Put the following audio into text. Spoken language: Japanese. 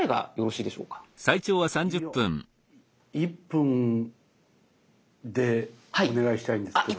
１分でお願いしたいんですけど。